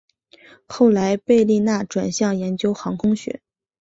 后来贝利纳转向研究航空学。